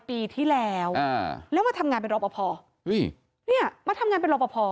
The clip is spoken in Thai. ปีที่แล้วแล้วมาทำงานเป็นรอปภเนี่ยมาทำงานเป็นรอปภ